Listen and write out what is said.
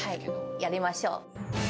やりましょう。